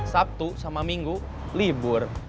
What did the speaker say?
sabtu sama minggu libur